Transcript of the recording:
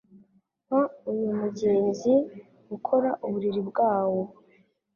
Nka uyu mugezi ukora uburiri bwawo